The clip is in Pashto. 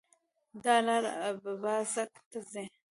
دا لار اببازک ته ځي